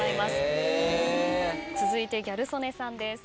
続いてギャル曽根さんです。